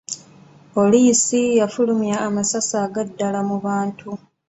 Poliisi yafulmya amasasi aga ddala mu bantu.